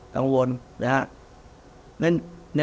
กังวลนะฮะ